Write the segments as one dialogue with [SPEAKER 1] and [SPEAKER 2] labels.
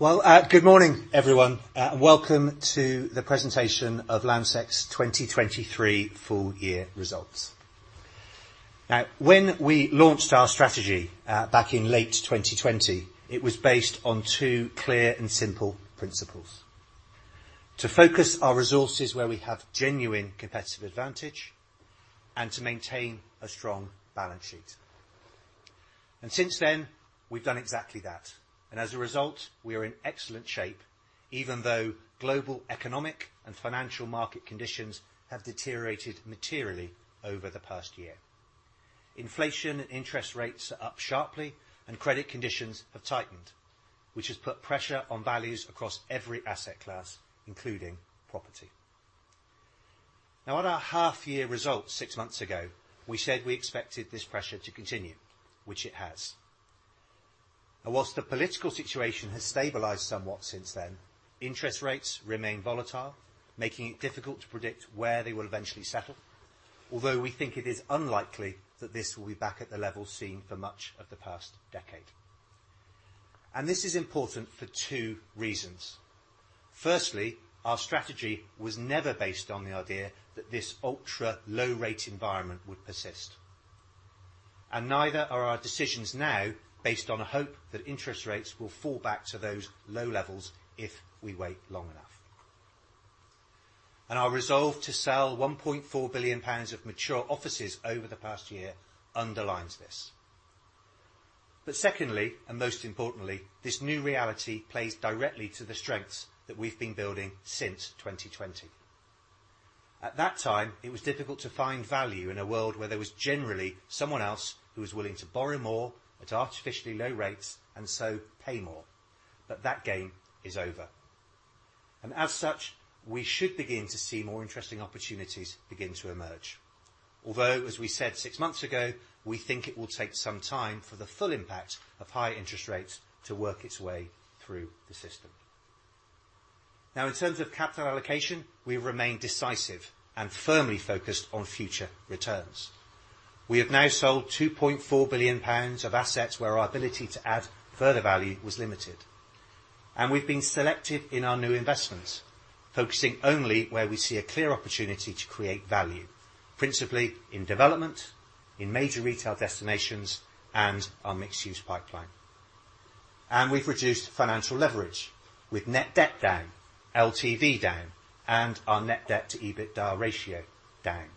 [SPEAKER 1] Good morning, everyone, welcome to the presentation of Landsec's 2023 full year results. When we launched our strategy, back in late 2020, it was based on two clear and simple principles. To focus our resources where we have genuine competitive advantage and to maintain a strong balance sheet. Since then, we've done exactly that, and as a result, we are in excellent shape even though global economic and financial market conditions have deteriorated materially over the past year. Inflation and interest rates are up sharply and credit conditions have tightened, which has put pressure on values across every asset class, including property. On our1/2 year results six months ago, we said we expected this pressure to continue, which it has. Whilst the political situation has stabilized somewhat since then, interest rates remain volatile, making it difficult to predict where they will eventually settle, although we think it is unlikely that this will be back at the level seen for much of the past decade. This is important for two reasons. Firstly, our strategy was never based on the idea that this ultra-low rate environment would persist, and neither are our decisions now based on a hope that interest rates will fall back to those low levels if we wait long enough. Our resolve to sell 1.4 billion pounds of mature offices over the past year underlines this. Secondly, and most importantly, this new reality plays directly to the strengths that we've been building since 2020. At that time, it was difficult to find value in a world where there was generally someone else who was willing to borrow more at artificially low rates and so pay more. That game is over. As such, we should begin to see more interesting opportunities begin to emerge. Although, as we said six months ago, we think it will take some time for the full impact of higher interest rates to work its way through the system. Now in terms of capital allocation, we've remained decisive and firmly focused on future returns. We have now sold 2.4 billion pounds of assets where our ability to add further value was limited. We've been selective in our new investments, focusing only where we see a clear opportunity to create value, principally in development, in major retail destinations, and our mixed use pipeline. We've reduced financial leverage with net debt down, LTV down, and our net debt to EBITDA ratio down.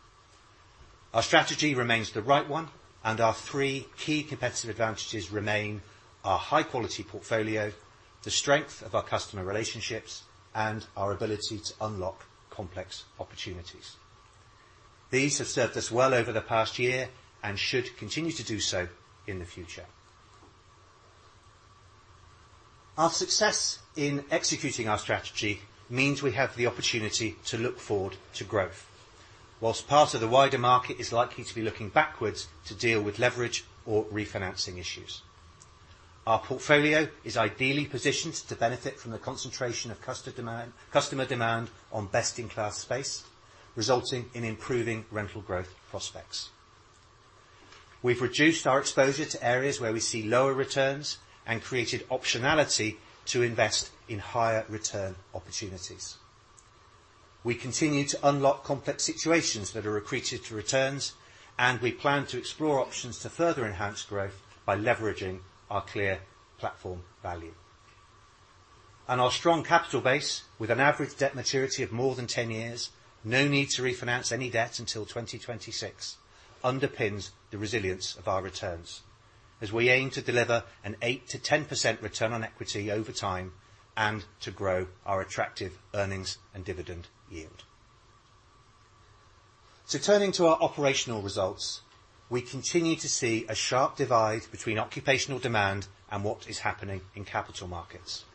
[SPEAKER 1] Our strategy remains the right one, and our three key competitive advantages remain our high-quality portfolio, the strength of our customer relationships, and our ability to unlock complex opportunities. These have served us well over the past year and should continue to do so in the future. Our success in executing our strategy means we have the opportunity to look forward to growth. Whilst part of the wider market is likely to be looking backwards to deal with leverage or refinancing issues. Our portfolio is ideally positioned to benefit from the concentration of customer demand on best-in-class space, resulting in improving rental growth prospects. We've reduced our exposure to areas where we see lower returns and created optionality to invest in higher return opportunities. We continue to unlock complex situations that are accretive to returns, and we plan to explore options to further enhance growth by leveraging our clear platform value. Our strong capital base, with an average debt maturity of more than 10 years, no need to refinance any debts until 2026, underpins the resilience of our returns as we aim to deliver an 8%-10% return on equity over time and to grow our attractive earnings and dividend yield. Turning to our operational results, we continue to see a sharp divide between occupational demand and what is happening in capital markets.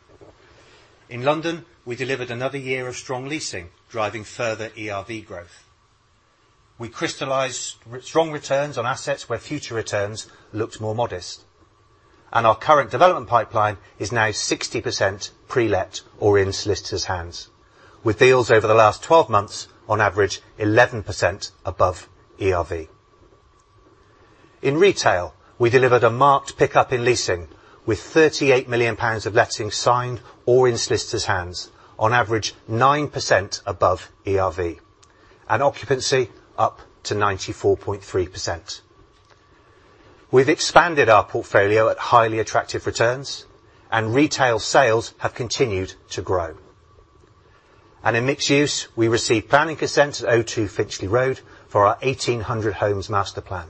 [SPEAKER 1] In London, we delivered another year of strong leasing, driving further ERV growth. We crystallized strong returns on assets where future returns looked more modest. Our current development pipeline is now 60% pre-let or in solicitor's hands, with deals over the last 12 months on average 11% above ERV. In retail, we delivered a marked pickup in leasing with 38 million pounds of lettings signed or in solicitor's hands on average 9% above ERV and occupancy up to 94.3%. We've expanded our portfolio at highly attractive returns and retail sales have continued to grow. In mixed use, we received planning consent at O2 Finchley Road for our 1,800 homes master plan.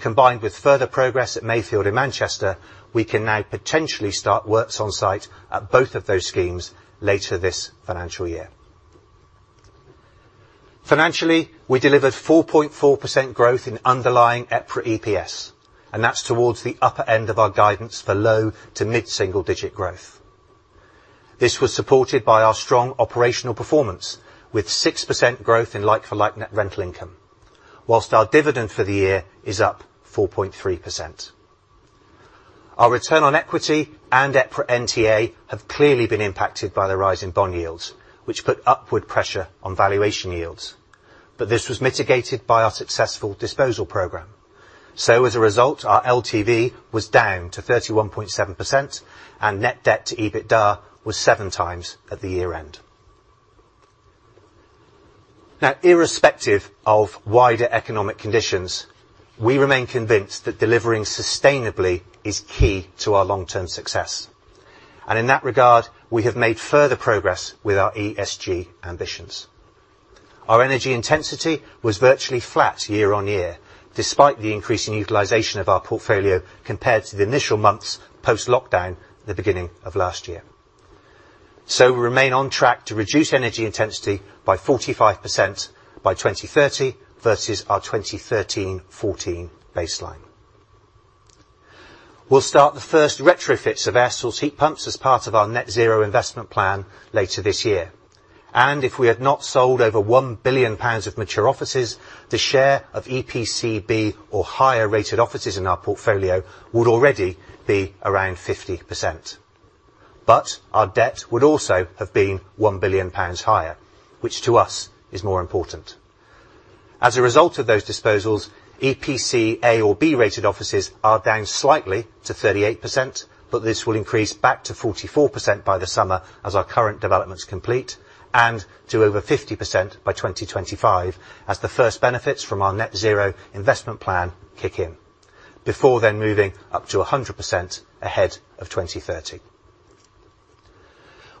[SPEAKER 1] Combined with further progress at Mayfield in Manchester, we can now potentially start works on site at both of those schemes later this financial year. Financially, we delivered 4.4% growth in underlying EPRA EPS, and that's towards the upper end of our guidance for low to mid-single digit growth. This was supported by our strong operational performance with 6% growth in like-for-like net rental income, whilst our dividend for the year is up 4.3%. Our return on equity and EPRA NTA have clearly been impacted by the rise in bond yields, which put upward pressure on valuation yields. This was mitigated by our successful disposal program. As a result, our LTV was down to 31.7%, and net debt to EBITDA was 7x at the year-end. Now, irrespective of wider economic conditions, we remain convinced that delivering sustainably is key to our long-term success. In that regard, we have made further progress with our ESG ambitions. Our energy intensity was virtually flat year-on-year, despite the increasing utilization of our portfolio compared to the initial months post-lockdown at the beginning of last year. We remain on track to reduce energy intensity by 45% by 2030 versus our 2013-2014 baseline. We'll start the first retrofits of air source heat pumps as part of our net zero investment plan later this year. If we had not sold over 1 billion pounds of mature offices, the share of EPC B or higher rated offices in our portfolio would already be around 50%. Our debt would also have been 1 billion pounds higher, which to us is more important. As a result of those disposals, EPC A or EPC B rated offices are down slightly to 38%, but this will increase back to 44% by the summer as our current developments complete, and to over 50% by 2025 as the first benefits from our net zero investment plan kick in, before then moving up to 100% ahead of 2030.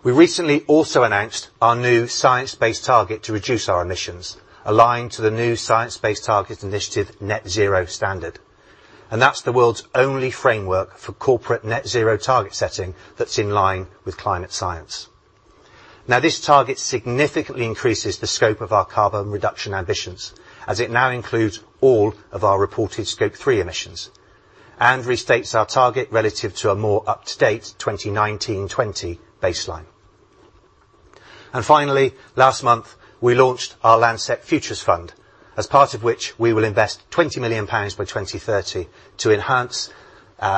[SPEAKER 1] We recently also announced our new science-based target to reduce our emissions, aligned to the new Science Based Targets initiative Net-Zero Standard. That's the world's only framework for corporate net zero target setting that's in line with climate science. This target significantly increases the scope of our carbon reduction ambitions, as it now includes all of our reported Scope 3 emissions and restates our target relative to a more up-to-date 2019-2020 baseline. Last month, we launched our Landsec Futures Fund, as part of which we will invest 20 million pounds by 2030 to enhance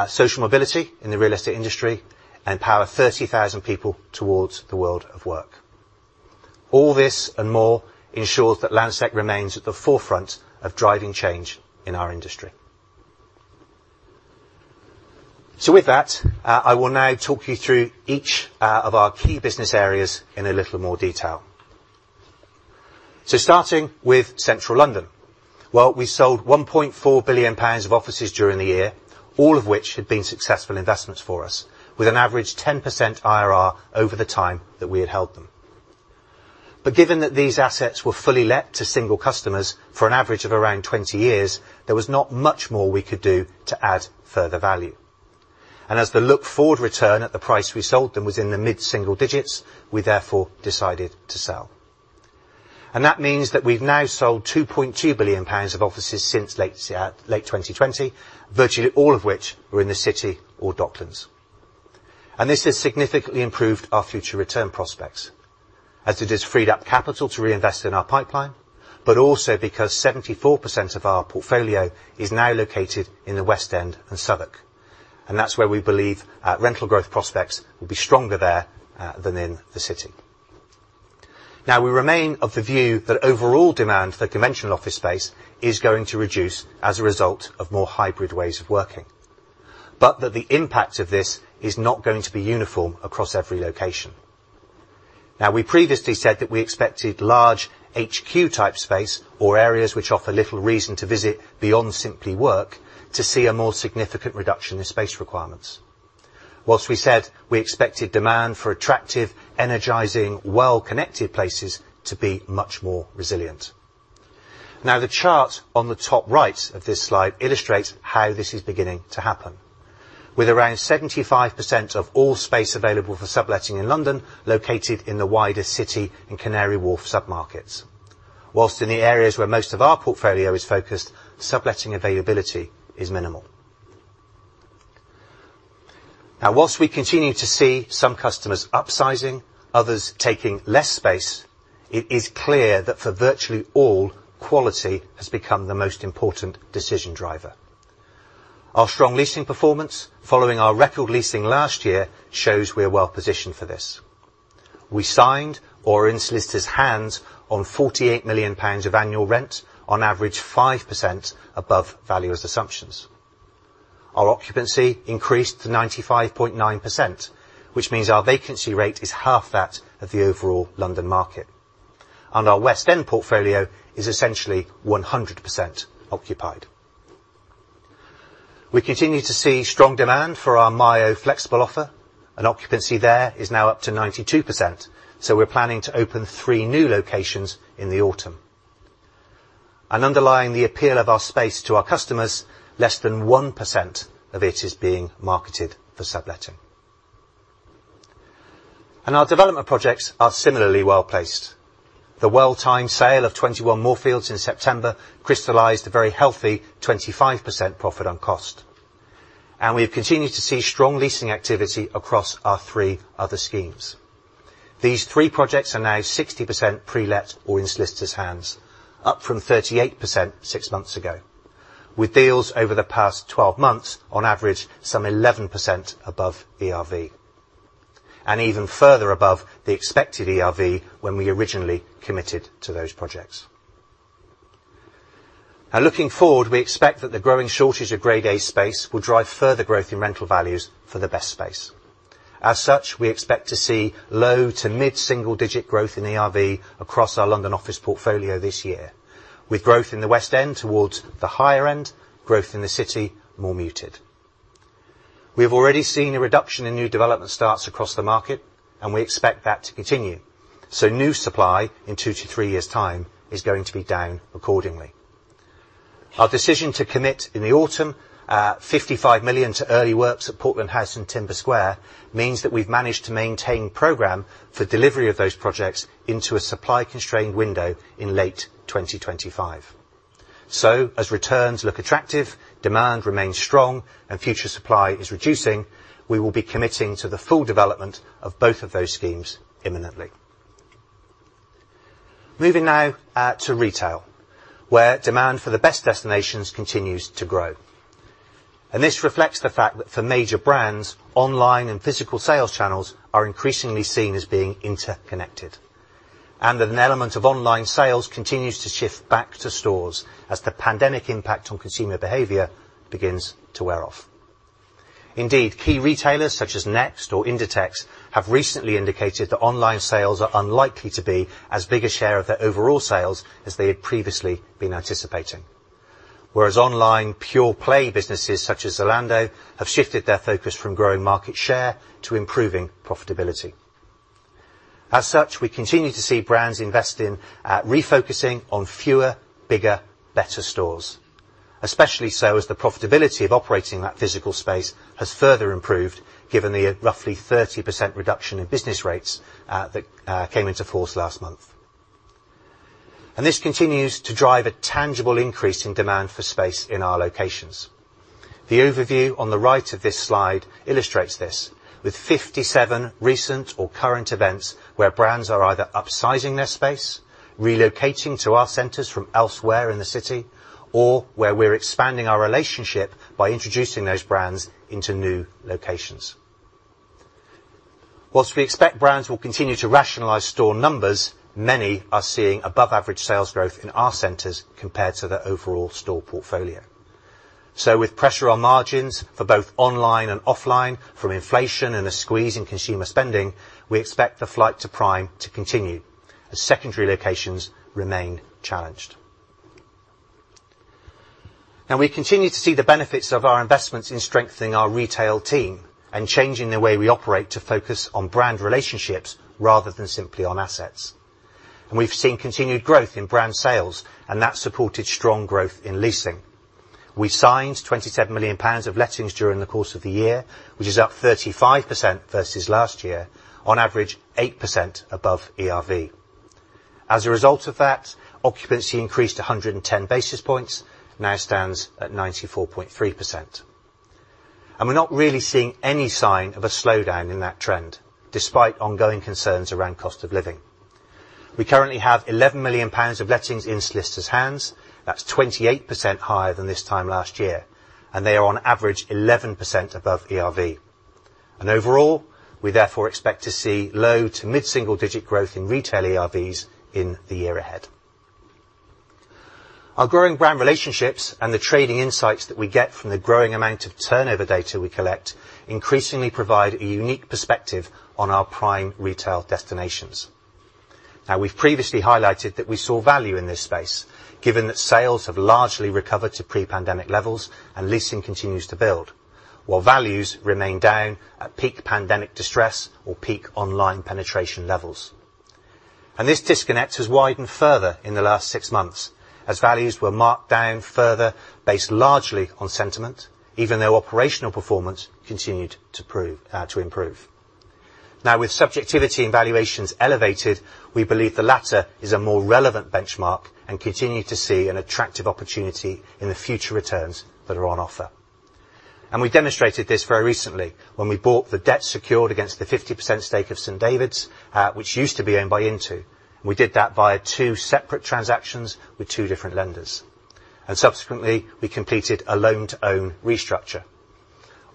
[SPEAKER 1] social mobility in the real estate industry and power 30,000 people towards the world of work. All this and more ensures that Landsec remains at the forefront of driving change in our industry. With that, I will now talk you through each of our key business areas in a little more detail. Starting with Central London. We sold 1.4 billion pounds of offices during the year, all of which had been successful investments for us, with an average 10% IRR over the time that we had held them. Given that these assets were fully let to single customers for an average of around 20 years, there was not much more we could do to add further value. As the look forward return at the price we sold them was in the mid-single digits, we therefore decided to sell. That means that we've now sold 2.2 billion pounds of offices since late 2020, virtually all of which were in the City or Docklands. This has significantly improved our future return prospects, as it has freed up capital to reinvest in our pipeline, but also because 74% of our portfolio is now located in the West End and Southwark. That's where we believe rental growth prospects will be stronger there than in the City. Now, we remain of the view that overall demand for conventional office space is going to reduce as a result of more hybrid ways of working, but that the impact of this is not going to be uniform across every location. Now, we previously said that we expected large HQ type space or areas which offer little reason to visit beyond simply work to see a more significant reduction in space requirements. Whilst we said we expected demand for attractive, energizing, well-connected places to be much more resilient. Now, the chart on the top right of this slide illustrates how this is beginning to happen. With around 75% of all space available for subletting in London located in the wider City and Canary Wharf submarkets. Whilst in the areas where most of our portfolio is focused, subletting availability is minimal. While we continue to see some customers upsizing, others taking less space, it is clear that for virtually all, quality has become the most important decision driver. Our strong leasing performance following our record leasing last year shows we are well positioned for this. We signed or are in solicitor's hands on GBP 48 million of annual rent on average 5% above valuer's assumptions. Our occupancy increased to 95.9%, which means our vacancy rate is1/2 that of the overall London market. Our West End portfolio is essentially 100% occupied. We continue to see strong demand for our Myo flexible offer and occupancy there is now up to 92%. We're planning to open three new locations in the autumn. Underlying the appeal of our space to our customers, less than 1% of it is being marketed for subletting. Our development projects are similarly well-placed. The well-timed sale of 21 Moorfields in September crystallized a very healthy 25% profit on cost. We have continued to see strong leasing activity across our three other schemes. These three projects are now 60% pre-let or in solicitors' hands, up from 38% six months ago, with deals over the past 12 months on average some 11% above ERV. Even further above the expected ERV when we originally committed to those projects. Looking forward, we expect that the growing shortage of Grade A space will drive further growth in rental values for the best space. As such, we expect to see low to mid-single-digit growth in ERV across our London office portfolio this year, with growth in the West End towards the higher end, growth in the City more muted. We have already seen a reduction in new development starts across the market. We expect that to continue. New supply in two years'-three years' time is going to be down accordingly. Our decision to commit in the autumn, 55 million to early works at Portland House and Timber Square, means that we've managed to maintain program for delivery of those projects into a supply-constrained window in late 2025. As returns look attractive, demand remains strong, and future supply is reducing, we will be committing to the full development of both of those schemes imminently. Moving now to retail, where demand for the best destinations continues to grow. This reflects the fact that for major brands, online and physical sales channels are increasingly seen as being interconnected, and that an element of online sales continues to shift back to stores as the pandemic impact on consumer behavior begins to wear off. Indeed, key retailers such as Next or Inditex have recently indicated that online sales are unlikely to be as big a share of their overall sales as they had previously been anticipating. Whereas online pure play businesses such as Zalando have shifted their focus from growing market share to improving profitability. As such, we continue to see brands invest in refocusing on fewer, bigger, better stores. Especially so as the profitability of operating that physical space has further improved, given the roughly 30% reduction in business rates that came into force last month. This continues to drive a tangible increase in demand for space in our locations. The overview on the right of this slide illustrates this, with 57 recent or current events where brands are either upsizing their space, relocating to our centers from elsewhere in the city, or where we're expanding our relationship by introducing those brands into new locations. While we expect brands will continue to rationalize store numbers, many are seeing above average sales growth in our centers compared to their overall store portfolio. With pressure on margins for both online and offline from inflation and a squeeze in consumer spending, we expect the flight to Prime to continue as secondary locations remain challenged. We continue to see the benefits of our investments in strengthening our retail team and changing the way we operate to focus on brand relationships rather than simply on assets. We've seen continued growth in brand sales, and that supported strong growth in leasing. We signed 27 million pounds of lettings during the course of the year, which is up 35% versus last year, on average, 8% above ERV. As a result of that, occupancy increased 110 basis points, now stands at 94.3%. We're not really seeing any sign of a slowdown in that trend, despite ongoing concerns around cost of living. We currently have 11 million pounds of lettings in solicitors' hands, that's 28% higher than this time last year, and they are on average 11% above ERV. Overall, we therefore expect to see low to mid-single-digit growth in retail ERVs in the year ahead. Our growing brand relationships and the trading insights that we get from the growing amount of turnover data we collect increasingly provide a unique perspective on our prime retail destinations. We've previously highlighted that we saw value in this space, given that sales have largely recovered to pre-pandemic levels and leasing continues to build, while values remain down at peak pandemic distress or peak online penetration levels. This disconnect has widened further in the last six months, as values were marked down further based largely on sentiment, even though operational performance continued to improve. With subjectivity and valuations elevated, we believe the latter is a more relevant benchmark and continue to see an attractive opportunity in the future returns that are on offer. We demonstrated this very recently when we bought the debt secured against the 50% stake of St David's, which used to be owned by Intu. We did that via two separate transactions with two different lenders, and subsequently, we completed a loan-to-own restructure.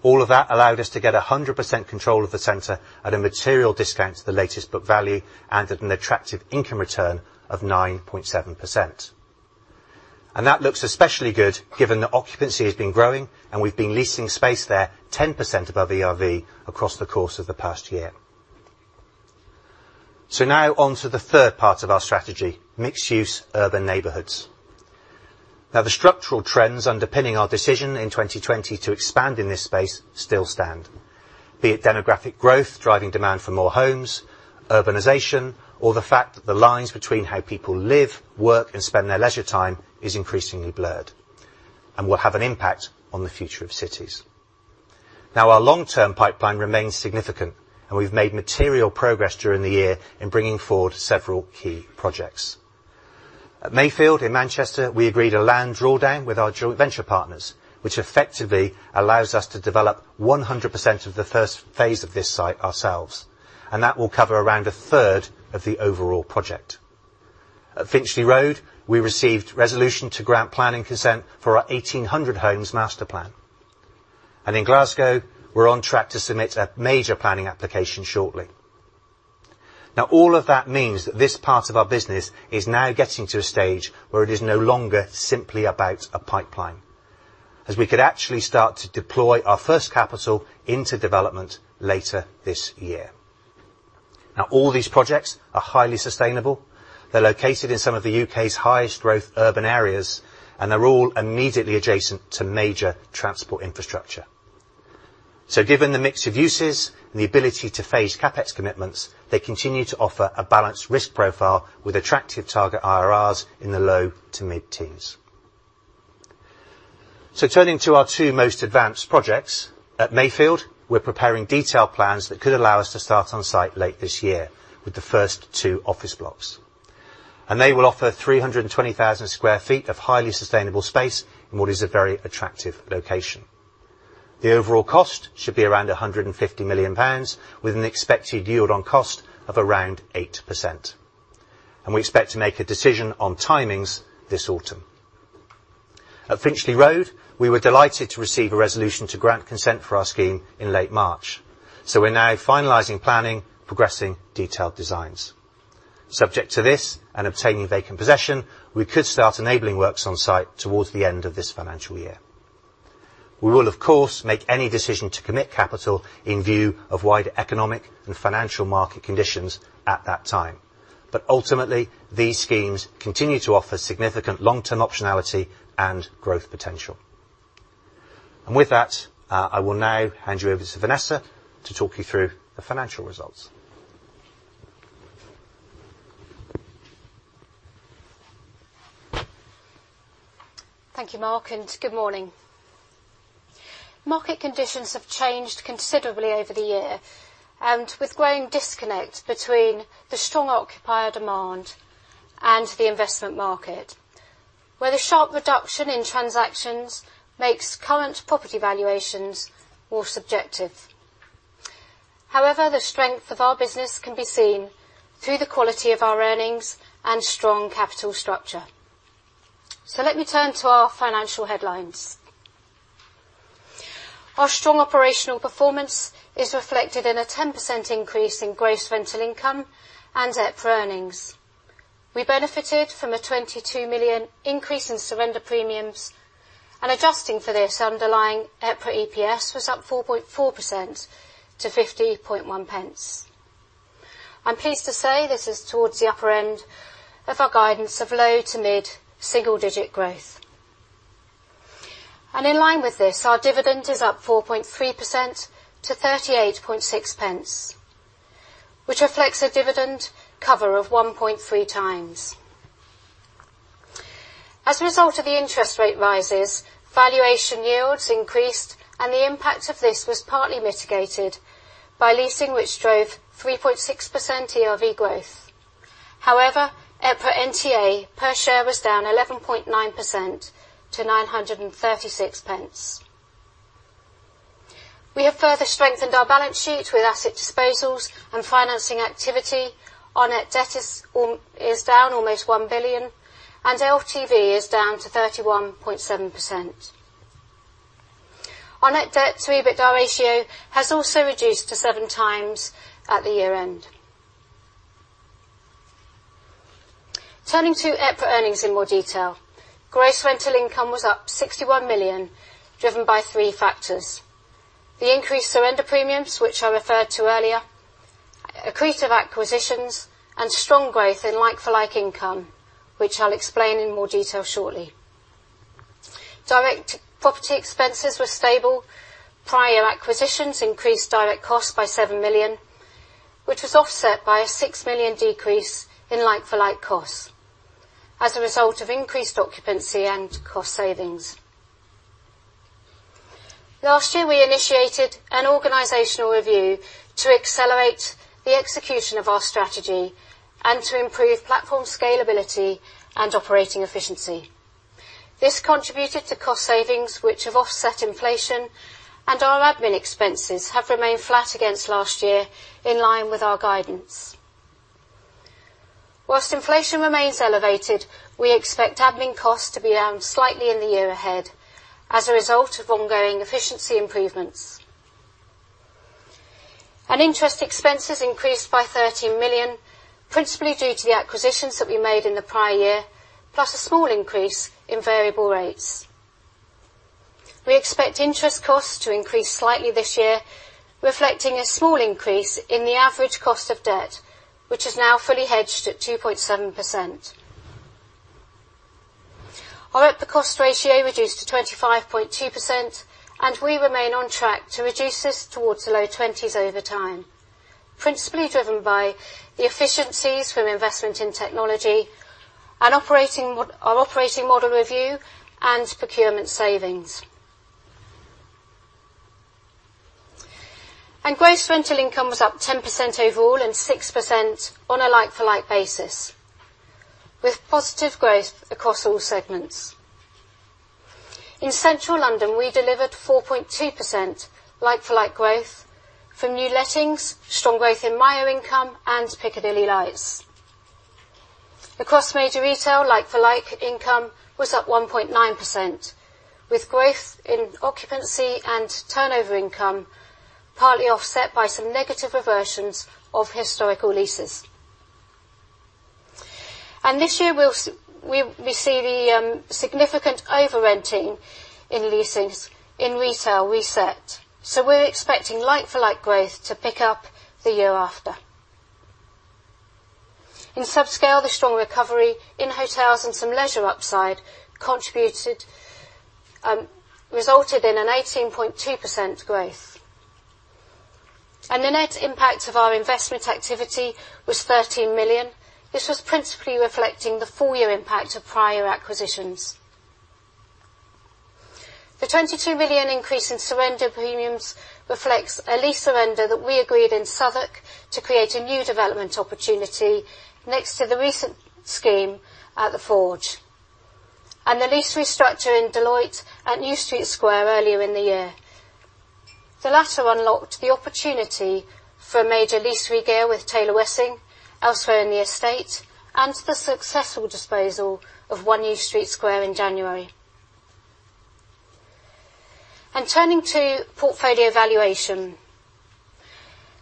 [SPEAKER 1] All of that allowed us to get 100% control of the center at a material discount to the latest book value and at an attractive income return of 9.7%. That looks especially good given that occupancy has been growing and we've been leasing space there 10% above ERV across the course of the past year. Now on to the third part of our strategy, mixed-use urban neighborhoods. The structural trends underpinning our decision in 2020 to expand in this space still stand. Be it demographic growth, driving demand for more homes, urbanization, or the fact that the lines between how people live, work, and spend their leisure time is increasingly blurred and will have an impact on the future of cities. Our long-term pipeline remains significant, and we've made material progress during the year in bringing forward several key projects. At Mayfield in Manchester, we agreed a land drawdown with our joint venture partners, which effectively allows us to develop 100% of the first phase of this site ourselves, and that will cover around a third of the overall project. At Finchley Road, we received resolution to grant planning consent for our 1,800 homes master plan. In Glasgow, we're on track to submit a major planning application shortly. All of that means that this part of our business is now getting to a stage where it is no longer simply about a pipeline, as we could actually start to deploy our first capital into development later this year. All these projects are highly sustainable. They're located in some of the U.K.'s highest growth urban areas, and they're all immediately adjacent to major transport infrastructure. Given the mix of uses and the ability to phase CapEx commitments, they continue to offer a balanced risk profile with attractive target IRRs in the low to mid-teens. Turning to our two most advanced projects, at Mayfield, we're preparing detailed plans that could allow us to start on site late this year with the first two office blocks. They will offer 320,000 sq ft of highly sustainable space in what is a very attractive location. The overall cost should be around 150 million pounds, with an expected yield on cost of around 8%. We expect to make a decision on timings this autumn. At Finchley Road, we were delighted to receive a resolution to grant consent for our scheme in late March, so we're now finalizing planning, progressing detailed designs. Subject to this and obtaining vacant possession, we could start enabling works on site towards the end of this financial year. We will, of course, make any decision to commit capital in view of wider economic and financial market conditions at that time. But ultimately, these schemes continue to offer significant long-term optionality and growth potential. With that, I will now hand you over to Vanessa to talk you through the financial results.
[SPEAKER 2] Thank you, Mark. Good morning. Market conditions have changed considerably over the year, with growing disconnect between the strong occupier demand and the investment market, where the sharp reduction in transactions makes current property valuations more subjective. However, the strength of our business can be seen through the quality of our earnings and strong capital structure. Let me turn to our financial headlines. Our strong operational performance is reflected in a 10% increase in gross rental income and EPRA earnings. We benefited from a 22 million increase in surrender premiums, adjusting for this underlying EPRA EPS was up 4.4%-GBP 0.501. I'm pleased to say this is towards the upper end of our guidance of low to mid-single digit growth. In line with this, our dividend is up 4.3% to 38.6 pence, which reflects a dividend cover of 1.3x. As a result of the interest rate rises, valuation yields increased and the impact of this was partly mitigated by leasing, which drove 3.6% ERV growth. However, EPRA NTA per share was down 11.9% to 936 pence. We have further strengthened our balance sheet with asset disposals and financing activity. Our net debt is down almost 1 billion and LTV is down to 31.7%. Our net debt to EBITDA ratio has also reduced to 7x at the year-end. Turning to EPRA earnings in more detail. Gross rental income was up 61 million, driven by three factors: the increased surrender premiums, which I referred to earlier, accretive acquisitions, and strong growth in like-for-like income, which I'll explain in more detail shortly. Direct property expenses were stable. Prior acquisitions increased direct costs by 7 million, which was offset by a 6 million decrease in like-for-like costs as a result of increased occupancy and cost savings. Last year, we initiated an organizational review to accelerate the execution of our strategy and to improve platform scalability and operating efficiency. This contributed to cost savings which have offset inflation, and our admin expenses have remained flat against last year, in line with our guidance. Whilst inflation remains elevated, we expect admin costs to be down slightly in the year ahead as a result of ongoing efficiency improvements. Interest expenses increased by 13 million, principally due to the acquisitions that we made in the prior year, plus a small increase in variable rates. We expect interest costs to increase slightly this year, reflecting a small increase in the average cost of debt, which is now fully hedged at 2.7%. Our EPRA cost ratio reduced to 25.2%, and we remain on track to reduce this towards the low twenties over time, principally driven by the efficiencies from investment in technology and our operating model review and procurement savings. Gross rental income was up 10% overall and 6% on a like-for-like basis with positive growth across all segments. In Central London, we delivered 4.2% like-for-like growth from new lettings, strong growth in Myo income and Piccadilly Lights. Across major retail, like-for-like income was up 1.9%, with growth in occupancy and turnover income partly offset by some negative reversions of historical leases. This year, we see the significant over-renting in leasings in retail reset. We're expecting like-for-like growth to pick up the year after. In subscale, the strong recovery in hotels and some leisure upside resulted in an 18.2% growth. The net impact of our investment activity was 13 million. This was principally reflecting the full year impact of prior acquisitions. The 22 million increase in surrender premiums reflects a lease surrender that we agreed in Southwark to create a new development opportunity next to the recent scheme at The Forge, and the lease restructure in Deloitte at New Street Square earlier in the year. The latter unlocked the opportunity for a major lease regear with Taylor Wessing elsewhere in the estate and the successful disposal of One New Street Square in January. Turning to portfolio valuation.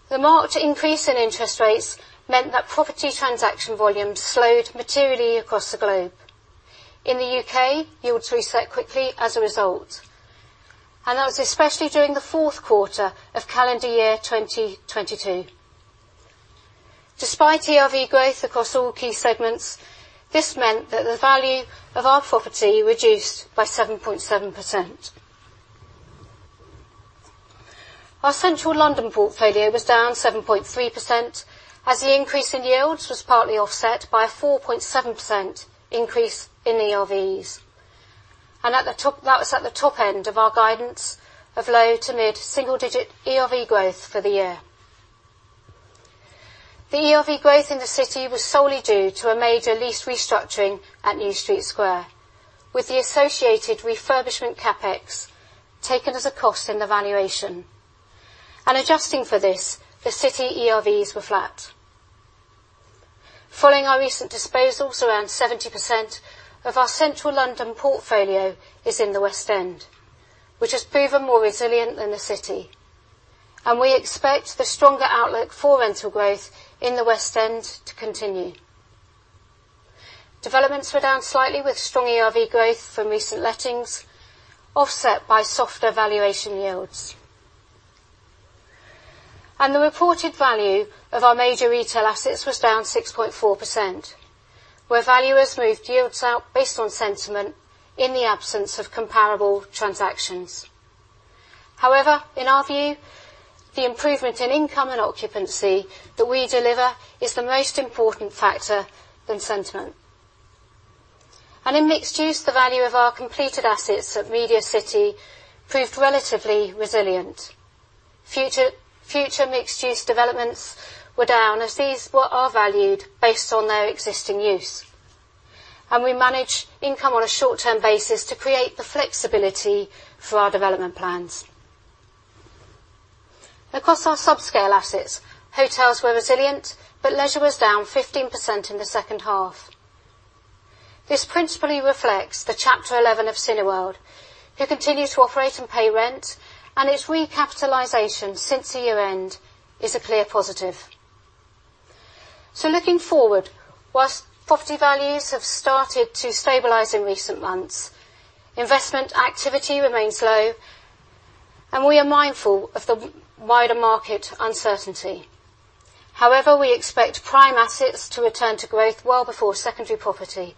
[SPEAKER 2] The marked increase in interest rates meant that property transaction volumes slowed materially across the globe. In the UK, yields reset quickly as a result, that was especially during the fourth quarter of calendar year 2022. Despite ERV growth across all key segments, this meant that the value of our property reduced by 7.7%. Our Central London portfolio was down 7.3%, as the increase in yields was partly offset by a 4.7% increase in ERVs. That was at the top end of our guidance of low to mid-single digit ERV growth for the year. The ERV growth in the city was solely due to a major lease restructuring at New Street Square, with the associated refurbishment CapEx taken as a cost in the valuation. Adjusting for this, the city ERVs were flat. Following our recent disposals, around 70% of our Central London portfolio is in the West End, which has proven more resilient than the city, and we expect the stronger outlook for rental growth in the West End to continue. Developments were down slightly with strong ERV growth from recent lettings, offset by softer valuation yields. The reported value of our major retail assets was down 6.4%, where valuers moved yields out based on sentiment in the absence of comparable transactions. However, in our view, the improvement in income and occupancy that we deliver is the most important factor than sentiment. In mixed use, the value of our completed assets at MediaCity proved relatively resilient. Future mixed use developments were down as these are valued based on their existing use, and we manage income on a short-term basis to create the flexibility for our development plans. Across our subscale assets, hotels were resilient, but leisure was down 15% in the H2. This principally reflects the Chapter 11 of Cineworld, who continue to operate and pay rent, and its recapitalization since the year-end is a clear positive. Looking forward, whilst property values have started to stabilize in recent months, investment activity remains low and we are mindful of the wider market uncertainty. However, we expect prime assets to return to growth well before secondary property,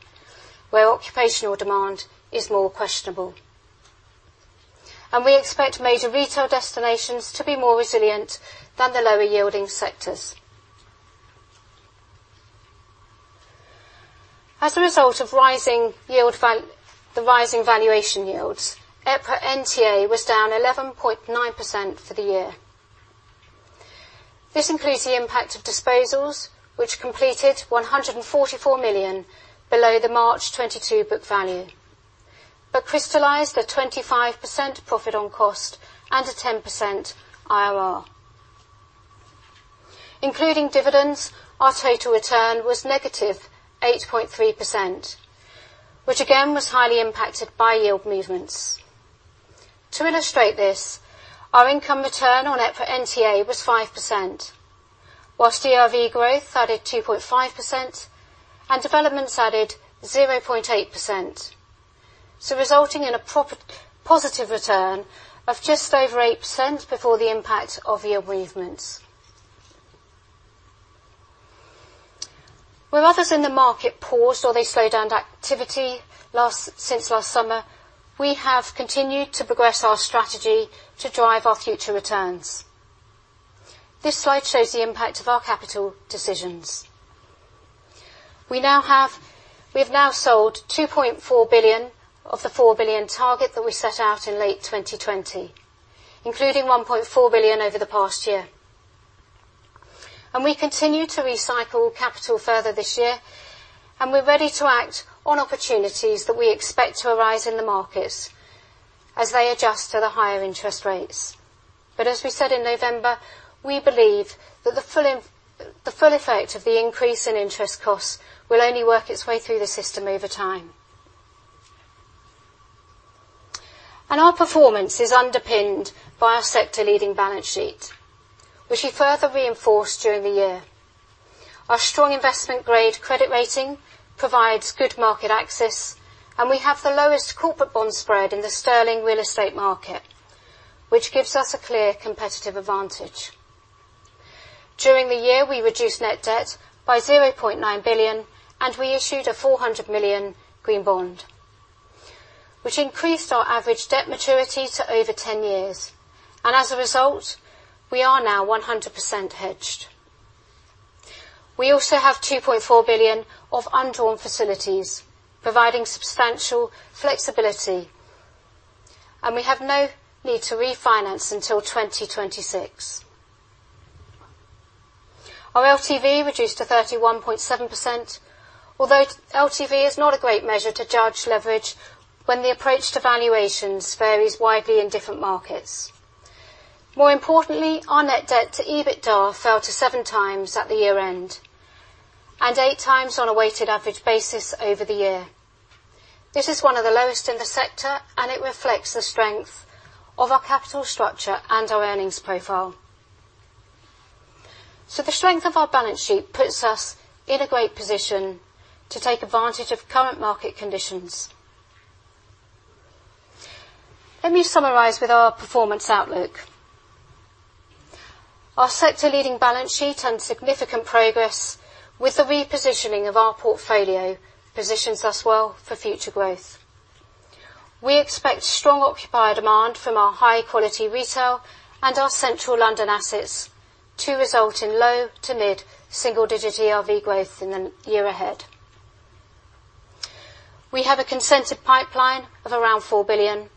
[SPEAKER 2] where occupational demand is more questionable. We expect major retail destinations to be more resilient than the lower yielding sectors. As a result of rising yield the rising valuation yields, EPRA NTA was down 11.9% for the year. This includes the impact of disposals, which completed 144 million below the March 2022 book value, but crystallized a 25% profit on cost and a 10% IRR. Including dividends, our total return was -8.3%, which again was highly impacted by yield movements. To illustrate this, our income return on EPRA NTA was 5%, whilst ERV growth added 2.5% and developments added 0.8%. Resulting in a positive return of just over 8% before the impact of year movements. Where others in the market paused or they slowed down activity last, since last summer, we have continued to progress our strategy to drive our future returns. This slide shows the impact of our capital decisions. We have now sold 2.4 billion of the 4 billion target that we set out in late 2020, including 1.4 billion over the past year. We continue to recycle capital further this year, and we're ready to act on opportunities that we expect to arise in the markets as they adjust to the higher interest rates. As we said in November, we believe that the full effect of the increase in interest costs will only work its way through the system over time. Our performance is underpinned by our sector-leading balance sheet, which we further reinforced during the year. Our strong investment grade credit rating provides good market access, and we have the lowest corporate bond spread in the sterling real estate market, which gives us a clear competitive advantage. During the year, we reduced net debt by 0.9 billion, and we issued a 400 million green bond, which increased our average debt maturity to over 10 years. As a result, we are now 100% hedged. We also have 2.4 billion of undrawn facilities providing substantial flexibility, and we have no need to refinance until 2026. Our LTV reduced to 31.7%, although LTV is not a great measure to judge leverage when the approach to valuations varies widely in different markets. More importantly, our net debt to EBITDA fell to 7x at the year-end, and 8x on a weighted average basis over the year. This is one of the lowest in the sector, and it reflects the strength of our capital structure and our earnings profile. The strength of our balance sheet puts us in a great position to take advantage of current market conditions. Let me summarize with our performance outlook. Our sector-leading balance sheet and significant progress with the repositioning of our portfolio positions us well for future growth. We expect strong occupier demand from our high-quality retail and our central London assets to result in low to mid-single-digit ERV growth in the year ahead. We have a consented pipeline of around 4 billion,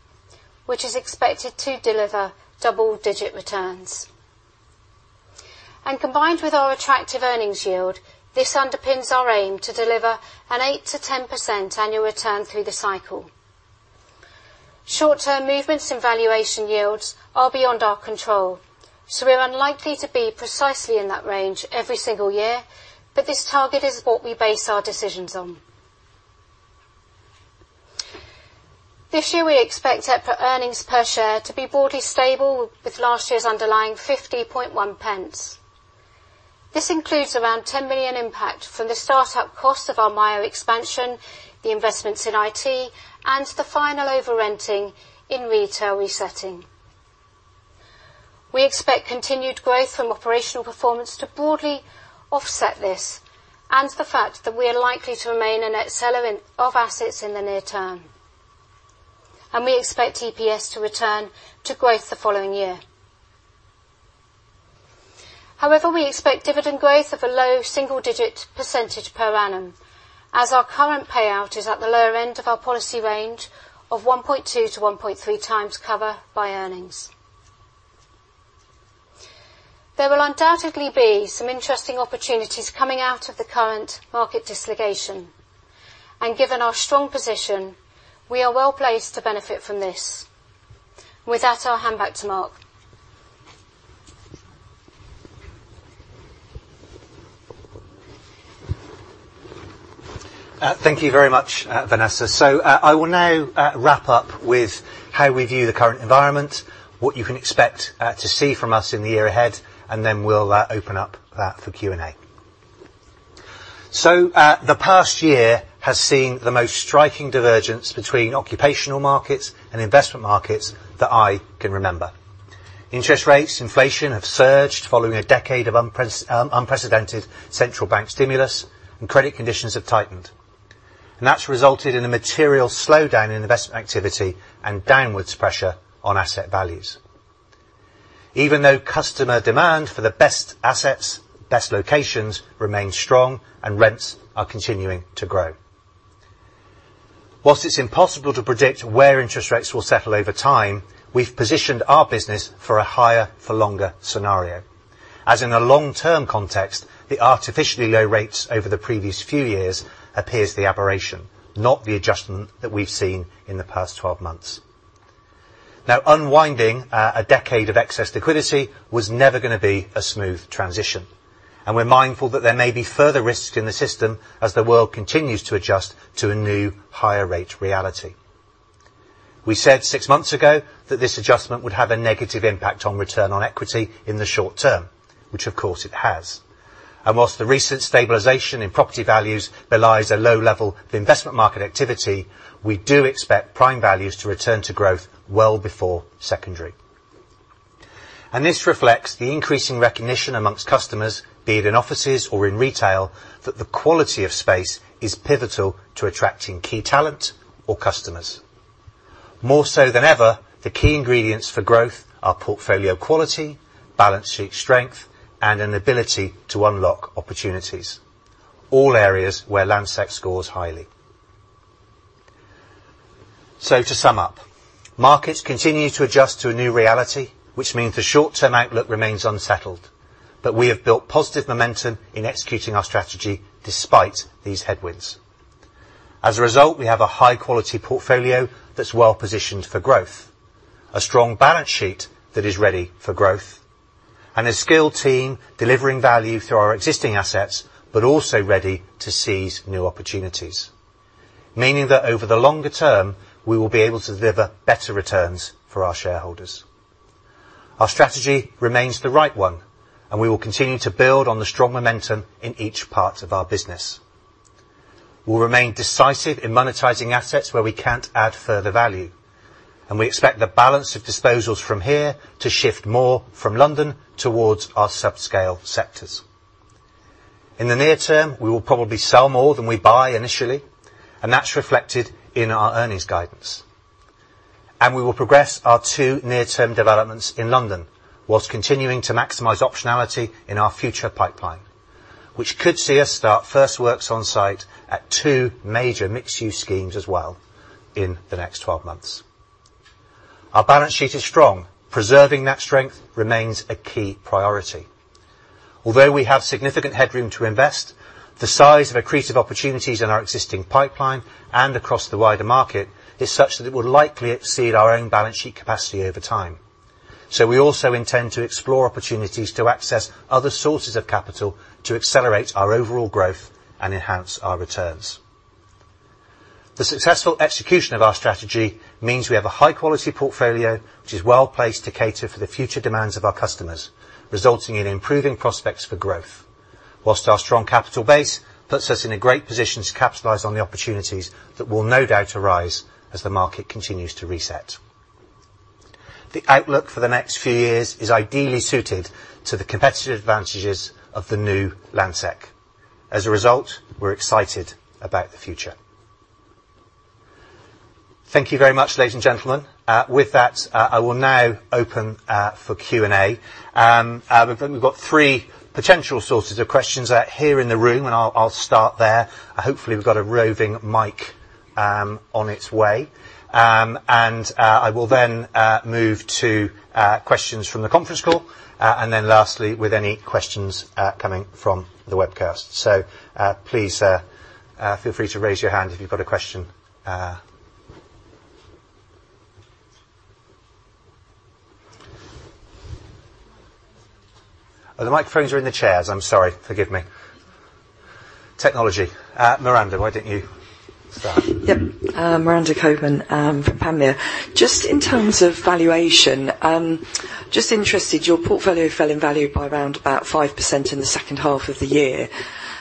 [SPEAKER 2] which is expected to deliver double-digit returns. Combined with our attractive earnings yield, this underpins our aim to deliver an 8%-10% annual return through the cycle. Short-term movements in valuation yields are beyond our control, we are unlikely to be precisely in that range every single year, but this target is what we base our decisions on. This year, we expect EPRA earnings per share to be broadly stable with last year's underlying 0.501. This includes around 10 million impact from the start-up cost of our Myo expansion, the investments in IT, and the final overrenting in retail resetting. We expect continued growth from operational performance to broadly offset this, and the fact that we are likely to remain a net seller of assets in the near term. We expect EPS to return to growth the following year. However, we expect dividend growth of a low single-digit % per annum as our current payout is at the lower end of our policy range of 1.2x-1.3x cover by earnings. There will undoubtedly be some interesting opportunities coming out of the current market dislocation, and given our strong position, we are well-placed to benefit from this. With that, I'll hand back to Mark.
[SPEAKER 1] Thank you very much, Vanessa. I will now wrap up with how we view the current environment, what you can expect to see from us in the year ahead, and then we'll open up for Q&A. The past year has seen the most striking divergence between occupational markets and investment markets that I can remember. Interest rates, inflation have surged following a decade of unprecedented central bank stimulus and credit conditions have tightened. That's resulted in a material slowdown in investment activity and downwards pressure on asset values. Even though customer demand for the best assets, best locations remain strong and rents are continuing to grow. Whilst it's impossible to predict where interest rates will settle over time, we've positioned our business for a higher, for longer scenario. As in a long-term context, the artificially low rates over the previous few years appears the aberration, not the adjustment that we've seen in the past 12 months. Unwinding a decade of excess liquidity was never gonna be a smooth transition, and we're mindful that there may be further risks in the system as the world continues to adjust to a new higher rate reality. We said six months ago that this adjustment would have a negative impact on return on equity in the short term, which of course it has. Whilst the recent stabilization in property values belies a low level of investment market activity, we do expect prime values to return to growth well before secondary. This reflects the increasing recognition amongst customers, be it in offices or in retail, that the quality of space is pivotal to attracting key talent or customers. More so than ever, the key ingredients for growth are portfolio quality, balance sheet strength, and an ability to unlock opportunities, all areas where Landsec scores highly. To sum up, markets continue to adjust to a new reality, which means the short-term outlook remains unsettled. We have built positive momentum in executing our strategy despite these headwinds. As a result, we have a high-quality portfolio that's well-positioned for growth, a strong balance sheet that is ready for growth, and a skilled team delivering value through our existing assets, but also ready to seize new opportunities. Meaning that, over the longer term, we will be able to deliver better returns for our shareholders. Our strategy remains the right one, and we will continue to build on the strong momentum in each part of our business. We'll remain decisive in monetizing assets where we can't add further value. We expect the balance of disposals from here to shift more from London towards our sub-scale sectors. In the near term, we will probably sell more than we buy initially, and that's reflected in our earnings guidance. We will progress our two near-term developments in London, whilst continuing to maximize optionality in our future pipeline, which could see us start first works on site at two major mixed-use schemes as well in the next 12 months. Our balance sheet is strong. Preserving that strength remains a key priority. Although we have significant headroom to invest, the size of accretive opportunities in our existing pipeline and across the wider market is such that it will likely exceed our own balance sheet capacity over time. We also intend to explore opportunities to access other sources of capital to accelerate our overall growth and enhance our returns. The successful execution of our strategy means we have a high-quality portfolio which is well-placed to cater for the future demands of our customers, resulting in improving prospects for growth. Whilst our strong capital base puts us in a great position to capitalize on the opportunities that will no doubt arise as the market continues to reset. The outlook for the next few years is ideally suited to the competitive advantages of the new Landsec. As a result, we're excited about the future. Thank you very much, ladies and gentlemen. With that, I will now open for Q&A. We've only got three potential sources of questions out here in the room, and I'll start there. Hopefully, we've got a roving mic on its way. I will then move to questions from the conference call, and then lastly, with any questions coming from the webcast. Please feel free to raise your hand if you've got a question. Oh, the microphones are in the chairs. I'm sorry. Forgive me. technology. Miranda, why don't you start?
[SPEAKER 3] Miranda Cockburn, from Panmure Gordon. Just in terms of valuation, just interested, your portfolio fell in value by around about 5% in the H2 of the year.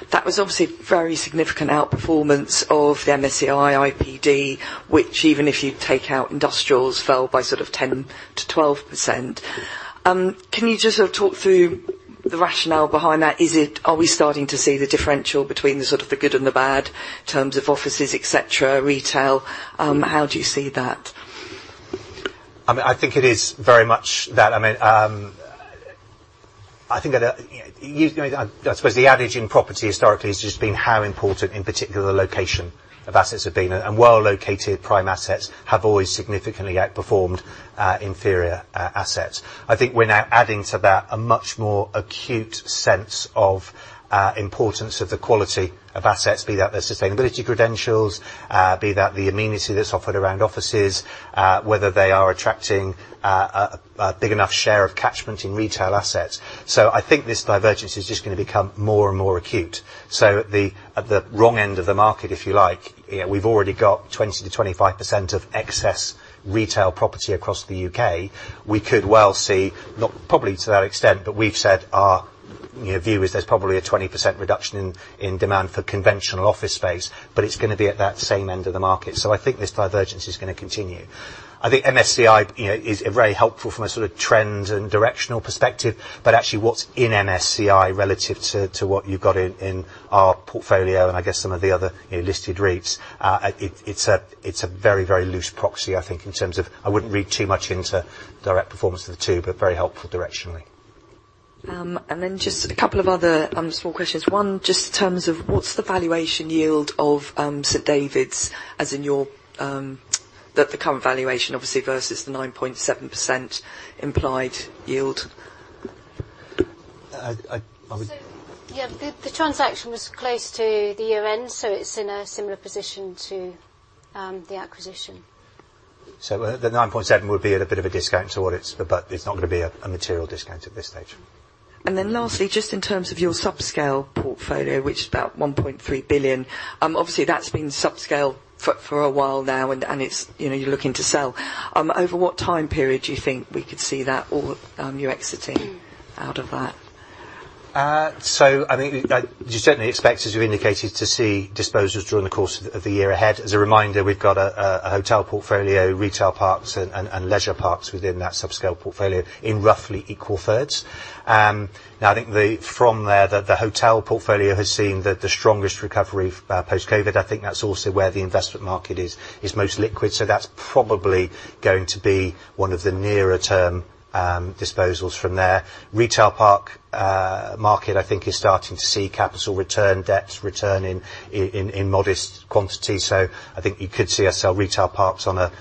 [SPEAKER 3] That was obviously very significant outperformance of the MSCI IPD, which even if you take out industrials, fell by sort of 10%-12%. Can you just sort of talk through the rationale behind that? Are we starting to see the differential between the good and the bad in terms of offices, et cetera, retail? How do you see that?
[SPEAKER 1] I mean, I think it is very much that. I mean, I think that, you know, I suppose the adage in property historically has just been how important in particular location of assets have been, and well-located prime assets have always significantly outperformed inferior assets. I think we're now adding to that a much more acute sense of importance of the quality of assets, be that their sustainability credentials, be that the amenity that's offered around offices, whether they are attracting a big enough share of catchment in retail assets. This divergence is just gonna become more and more acute. At the wrong end of the market, if you like, you know, we've already got 20%-25% of excess retail property across the U.K. We could well see, not probably to that extent, but we've said our, you know, view is there's probably a 20% reduction in demand for conventional office space, but it's gonna be at that same end of the market. I think this divergence is gonna continue. I think MSCI, you know, is very helpful from a sort of trend and directional perspective, but actually what's in MSCI relative to what you've got in our portfolio, and I guess some of the other, you know, listed REITs, it's a, it's a very, very loose proxy, I think, in terms of... I wouldn't read too much into direct performance of the two, but very helpful directionally.
[SPEAKER 3] Just a couple of other small questions. One, just in terms of what's the valuation yield of St David's as in your the current valuation obviously versus the 9.7% implied yield?
[SPEAKER 1] I.
[SPEAKER 2] Yeah, the transaction was close to the year-end, so it's in a similar position to the acquisition.
[SPEAKER 1] The 9.7% would be at a bit of a discount to what but it's not gonna be a material discount at this stage.
[SPEAKER 3] Lastly, just in terms of your sub-scale portfolio, which is about 1.3 billion, obviously that's been sub-scale for a while now and it's, you know, you're looking to sell. Over what time period do you think we could see that all, you exiting out of that?
[SPEAKER 1] I think you certainly expect, as you indicated, to see disposals during the course of the year ahead. As a reminder, we've got a hotel portfolio, retail parks, and leisure parks within that subscale portfolio in roughly equal 1/3. Now, I think from there, the hotel portfolio has seen the strongest recovery post COVID. I think that's also where the investment market is most liquid. That's probably going to be one of the nearer term disposals from there. Retail park market, I think is starting to see capital return, debts returning in modest quantity. I think you could see us sell retail parks on a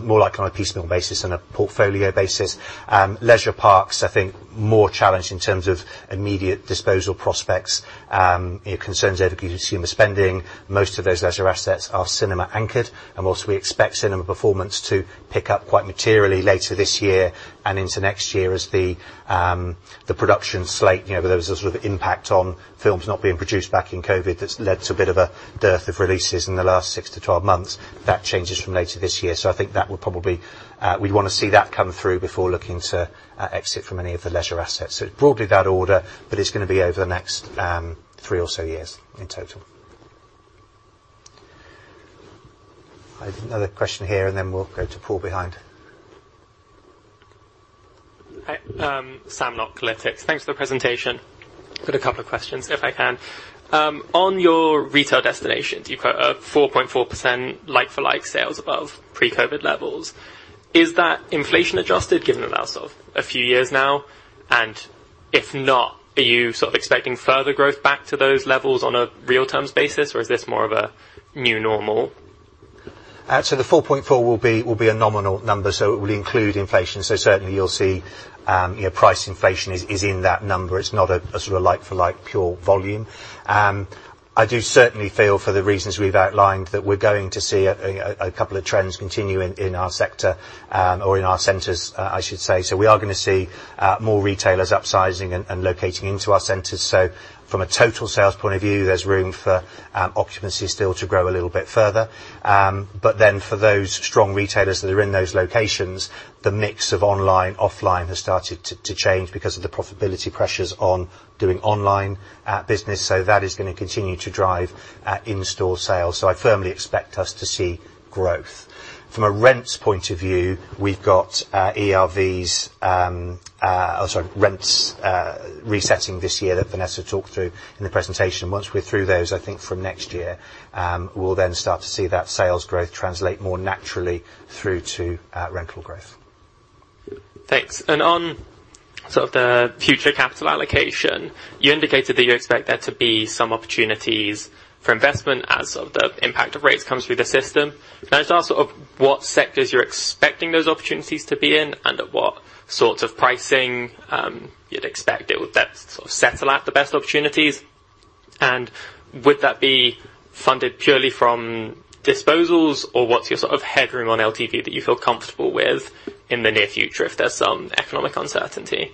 [SPEAKER 1] more like on a piecemeal basis than a portfolio basis. Leisure parks, I think more challenged in terms of immediate disposal prospects. You know, concerns over consumer spending, most of those leisure assets are cinema anchored. Whilst we expect cinema performance to pick up quite materially later this year and into next year as the production slate. You know, there was a sort of impact on films not being produced back in COVID that's led to a bit of a dearth of releases in the last six months-12 months. That changes from later this year. I think that would probably, we'd wanna see that come through before looking to exit from any of the leisure assets. Broadly that order, but it's gonna be over the next three or so years in total. I've another question here, and then we'll go to Paul behind.
[SPEAKER 4] Hi, Sam Cotterell. Thanks for the presentation. Got a couple of questions, if I can. On your retail destination, you've got a 4.4% like-for-like sales above pre-COVID levels. Is that inflation adjusted given the last of a few years now? If not, are you sort of expecting further growth back to those levels on a real terms basis, or is this more of a new normal?
[SPEAKER 1] The 4.4% will be a nominal number, so it will include inflation. Certainly you'll see, you know, price inflation is in that number. It's not a sort of like-for-like pure volume. I do certainly feel for the reasons we've outlined, that we're going to see a couple of trends continue in our sector, or in our centers, I should say. We are gonna see more retailers upsizing and locating into our centers. From a total sales point of view, there's room for occupancy still to grow a little bit further. For those strong retailers that are in those locations, the mix of online, offline has started to change because of the profitability pressures on doing online business. That is gonna continue to drive in-store sales. I firmly expect us to see growth. From a rents point of view, we've got ERVs, sorry, rents, resetting this year that Vanessa talked through in the presentation. Once we're through those, I think from next year, we'll then start to see that sales growth translate more naturally through to rental growth.
[SPEAKER 4] Thanks. On sort of the future capital allocation, you indicated that you expect there to be some opportunities for investment as of the impact of rates comes through the system. Can I just ask sort of what sectors you're expecting those opportunities to be in and at what sorts of pricing you'd expect it would that sort of settle at the best opportunities? Would that be funded purely from disposals, or what's your sort of headroom on LTV that you feel comfortable with in the near future if there's some economic uncertainty?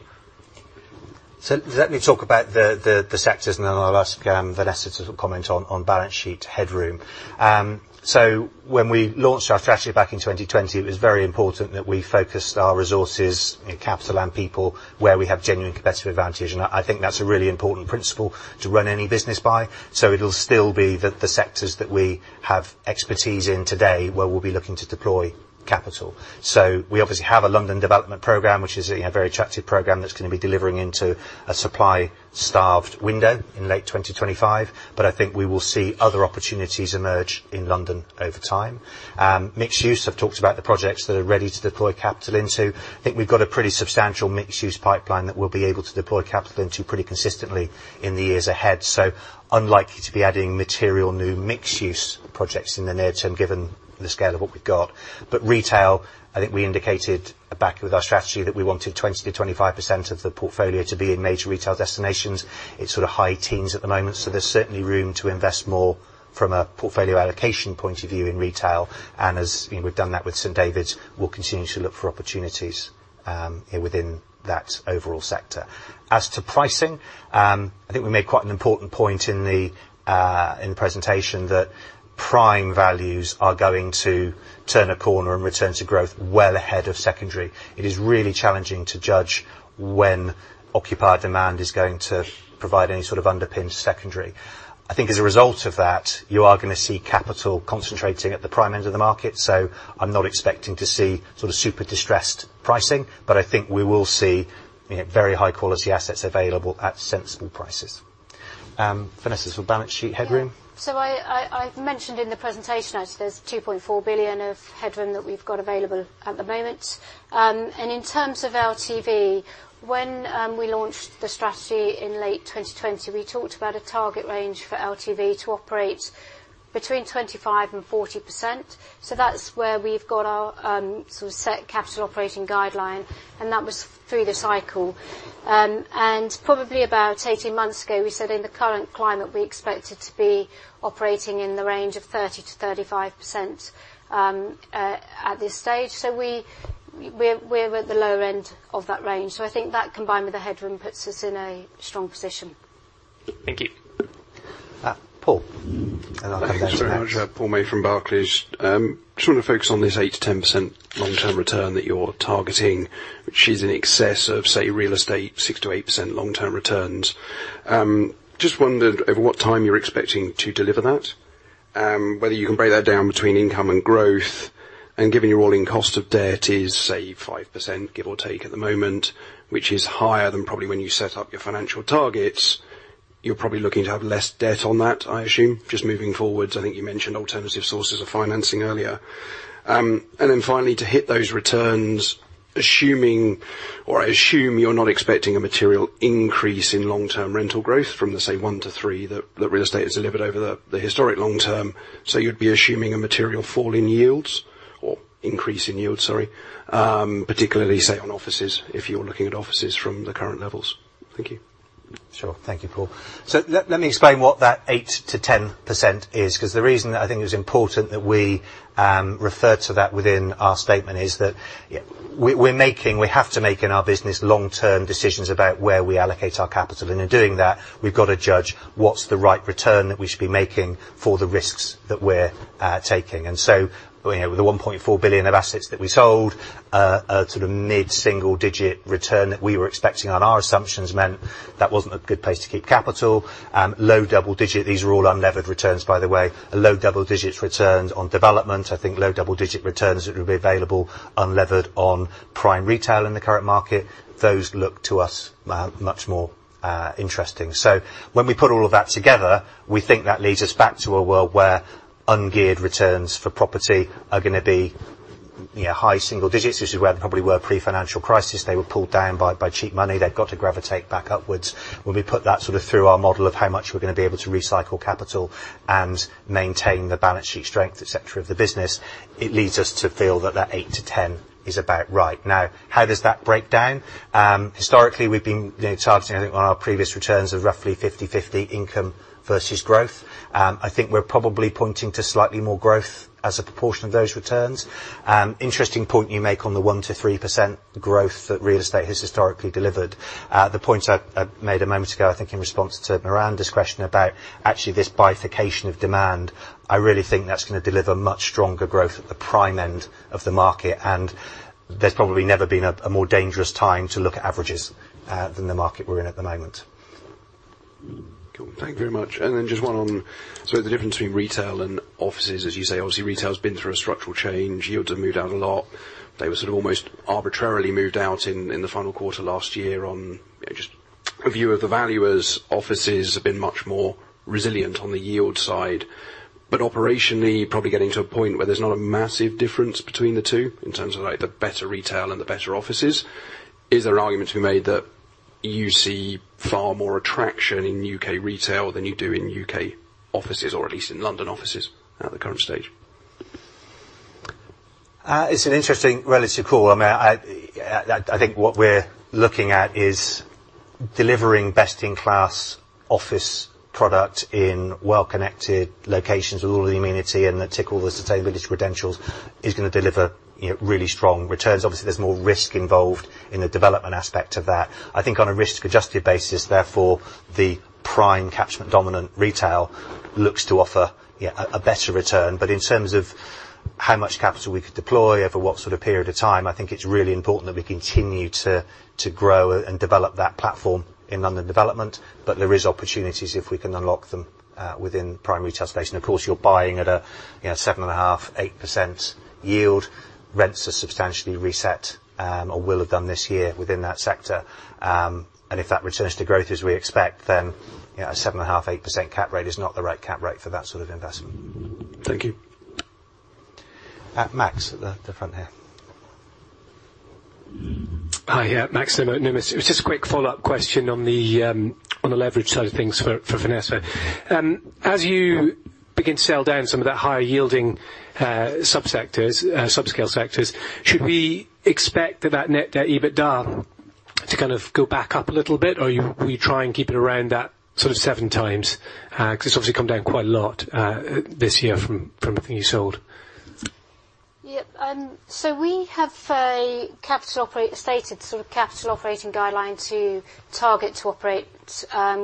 [SPEAKER 1] Let me talk about the sectors, and then I'll ask Vanessa to comment on balance sheet headroom. When we launched our strategy back in 2020, it was very important that we focused our resources, you know, capital and people, where we have genuine competitive advantage. I think that's a really important principle to run any business by. It'll still be the sectors that we have expertise in today where we'll be looking to deploy capital. We obviously have a London development program, which is, you know, a very attractive program that's gonna be delivering into a supply-starved window in late 2025, but I think we will see other opportunities emerge in London over time. Mixed use, I've talked about the projects that are ready to deploy capital into. I think we've got a pretty substantial mixed use pipeline that we'll be able to deploy capital into pretty consistently in the years ahead. Unlikely to be adding material new mixed use projects in the near term, given the scale of what we've got. Retail, I think we indicated back with our strategy that we wanted 20%-25% of the portfolio to be in major retail destinations. It's sort of high teens at the moment, so there's certainly room to invest more from a portfolio allocation point of view in retail. As, you know, we've done that with St David's, we'll continue to look for opportunities within that overall sector. As to pricing, I think we made quite an important point in the presentation that prime values are going to turn a corner and return to growth well ahead of secondary. It is really challenging to judge when occupied demand is going to provide any sort of underpin to secondary. I think as a result of that, you are gonna see capital concentrating at the prime end of the market. I'm not expecting to see sort of super distressed pricing, but I think we will see, you know, very high quality assets available at sensible prices. Vanessa, sort of balance sheet headroom.
[SPEAKER 2] I've mentioned in the presentation, as there's 2.4 billion of headroom that we've got available at the moment. In terms of LTV, when we launched the strategy in late 2020, we talked about a target range for LTV to operate between 25% and 40%. That's where we've got our sort of set capital operating guideline, and that was through the cycle. Probably about 18 months ago, we said in the current climate, we expected to be operating in the range of 30%-35% at this stage. We're at the lower end of that range. I think that combined with the headroom, puts us in a strong position.
[SPEAKER 4] Thank you.
[SPEAKER 1] Paul, and I'll go then to Max.
[SPEAKER 5] Thank you very much. Paul May from Barclays. Just wanna focus on this 8%-10% long-term return that you're targeting, which is in excess of, say, real estate, 6%-8% long-term returns. Just wondered over what time you're expecting to deliver that, whether you can break that down between income and growth? Given your rolling cost of debt is, say, 5%, give or take at the moment, which is higher than probably when you set up your financial targets, you're probably looking to have less debt on that, I assume, just moving forward. I think you mentioned alternative sources of financing earlier. Finally, to hit those returns, assuming, or I assume you're not expecting a material increase in long-term rental growth from, the say, 1%-3% that real estate has delivered over the historic long term. You'd be assuming a material fall in yields or increase in yields, sorry. Particularly, say, on offices, if you're looking at offices from the current levels. Thank you.
[SPEAKER 1] Sure. Thank you, Paul. Let me explain what that 8%-10% is 'cause the reason that I think it's important that we refer to that within our statement is that We have to make in our business long-term decisions about where we allocate our capital, and in doing that, we've got to judge what's the right return that we should be making for the risks that we're taking. You know, the 1.4 billion of assets that we sold, a sort of mid-single digit return that we were expecting on our assumptions meant that wasn't a good place to keep capital. Low double digit, these are all unlevered returns, by the way. Low double digits returns on development. I think low double digit returns that will be available unlevered on prime retail in the current market. Those look to us much more interesting. When we put all of that together, we think that leads us back to a world where ungeared returns for property are gonna be, you know, high single digits. This is where they probably were pre-financial crisis. They were pulled down by cheap money. They've got to gravitate back upwards. When we put that sort of through our model of how much we're gonna be able to recycle capital and maintain the balance sheet strength, et cetera, of the business, it leads us to feel that that 8%-10% is about right. How does that break down? Historically, we've been, you know, targeting, I think, on our previous returns of roughly 50/50 income versus growth. I think we're probably pointing to slightly more growth as a proportion of those returns. Interesting point you make on the 1%-3% growth that real estate has historically delivered. The point I made a moment ago, I think, in response to Moran's question about actually this bifurcation of demand, I really think that's gonna deliver much stronger growth at the prime end of the market, and there's probably never been a more dangerous time to look at averages than the market we're in at the moment.
[SPEAKER 5] Cool. Thank you very much. Then just one on, so the difference between retail and offices. As you say, obviously, retail's been through a structural change. Yields have moved out a lot. They were sort of almost arbitrarily moved out in the final quarter last year on, you know, just a view of the valuers. Offices have been much more resilient on the yield side, but operationally, you're probably getting to a point where there's not a massive difference between the two in terms of, like, the better retail and the better offices. Is there an argument to be made that you see far more attraction in U.K retail than you do in U.K. offices, or at least in London offices at the current stage?
[SPEAKER 1] It's an interesting relative call. I mean, I think what we're looking at is delivering best-in-class office product in well-connected locations with all the amenity and that tick all the sustainability credentials is gonna deliver, you know, really strong returns. Obviously, there's more risk involved in the development aspect of that. I think on a risk-adjusted basis, therefore, the prime catchment dominant retail looks to offer, yeah, a better return. In terms of how much capital we could deploy over what sort of period of time, I think it's really important that we continue to grow and develop that platform in London development. There is opportunities if we can unlock them within primary transportation. Of course, you're buying at a, you know, 7.5% yield, 8% yield. Rents are substantially reset, or will have done this year within that sector. If that returns to growth as we expect, then, you know, a 7.5% cap rate, 8% cap rate is not the right cap rate for that sort of investment.
[SPEAKER 5] Thank you.
[SPEAKER 1] Max, at the front here.
[SPEAKER 6] Hiya. Max from Numis. It was just a quick follow-up question on the leverage side of things for Vanessa. As you begin to sell down some of the higher yielding subsectors, subscale sectors, should we expect that net debt to EBITDA to kind of go back up a little bit? Will you try and keep it around that sort of 7x? 'Cause it's obviously come down quite a lot this year from everything you sold.
[SPEAKER 2] Yep. We have a capital stated sort of capital operating guideline to target to operate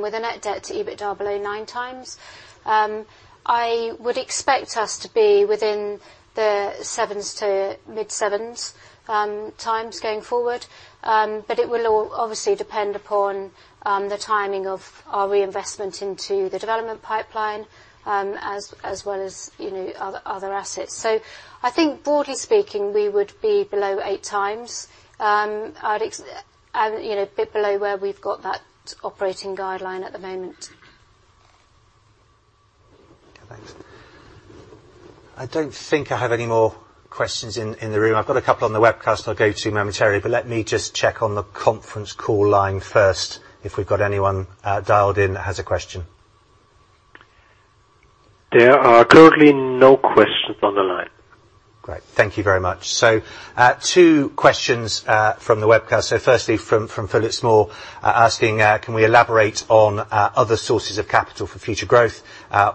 [SPEAKER 2] with a net debt to EBITDA below 9x. I would expect us to be within the 7-mid-7x going forward. It will all obviously depend upon the timing of our reinvestment into the development pipeline as well as, you know, other assets. I think broadly speaking, we would be below 8x. I'd, you know, a bit below where we've got that operating guideline at the moment.
[SPEAKER 6] Okay, thanks.
[SPEAKER 1] I don't think I have any more questions in the room. I've got a couple on the webcast I'll go to momentarily. Let me just check on the conference call line first, if we've got anyone dialed in that has a question.
[SPEAKER 4] There are currently no questions on the line.
[SPEAKER 1] Great. Thank you very much. two questions from the webcast. Firstly, from Philip Small, asking, can we elaborate on other sources of capital for future growth?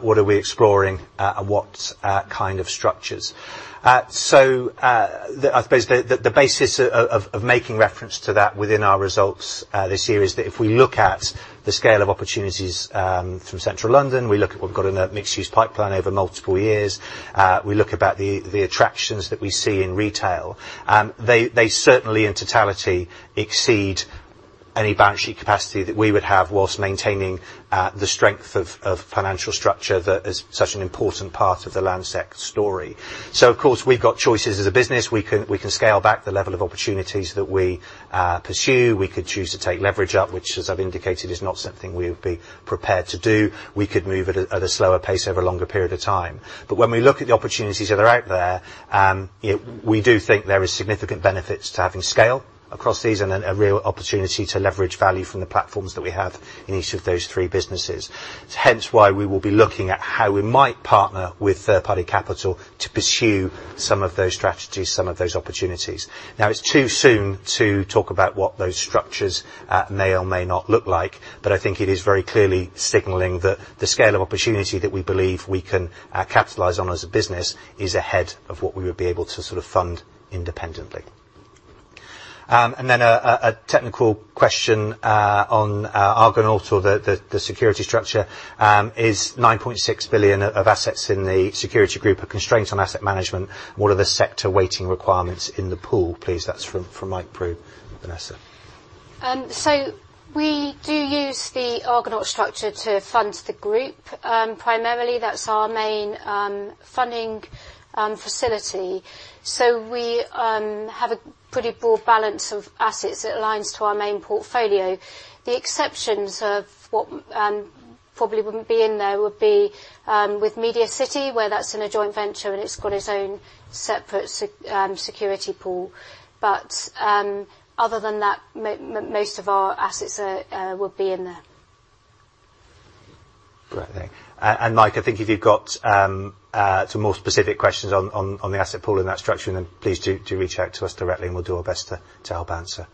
[SPEAKER 1] What are we exploring? What kind of structures? The basis of making reference to that within our results this year is that if we look at the scale of opportunities from Central London, we look at what we've got in a mixed-use pipeline over multiple years. We look about the attractions that we see in retail. They certainly in totality exceed any balance sheet capacity that we would have whilst maintaining the strength of financial structure that is such an important part of the Landsec story. Of course, we've got choices as a business. We can scale back the level of opportunities that we pursue. We could choose to take leverage up, which as I've indicated, is not something we would be prepared to do. We could move at a slower pace over a longer period of time. When we look at the opportunities that are out there, we do think there is significant benefits to having scale across these and then a real opportunity to leverage value from the platforms that we have in each of those three businesses. Hence why we will be looking at how we might partner with third-party capital to pursue some of those strategies, some of those opportunities. It's too soon to talk about what those structures may or may not look like. I think it is very clearly signaling that the scale of opportunity that we believe we can capitalize on as a business is ahead of what we would be able to sort of fund independently. A technical question on Argonaut or the security structure. Is 9.6 billion of assets in the security group a constraint on asset management? What are the sector waiting requirements in the pool, please? That's from Mike Prew, Vanessa.
[SPEAKER 2] We do use the Argonaut structure to fund the group. Primarily that's our main funding facility. We have a pretty broad balance of assets that aligns to our main portfolio. The exceptions of what probably wouldn't be in there would be with Media City, where that's in a joint venture and it's got its own separate security pool. Other than that, most of our assets are would be in there.
[SPEAKER 1] Great. Thank you. Mike, I think if you've got some more specific questions on the asset pool and that structure, then please do reach out to us directly and we'll do our best to help answer.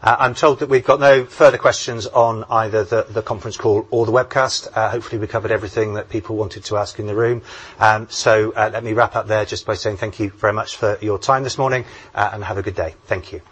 [SPEAKER 1] I'm told that we've got no further questions on either the conference call or the webcast. Hopefully we covered everything that people wanted to ask in the room. Let me wrap up there just by saying thank you very much for your time this morning and have a good day. Thank you.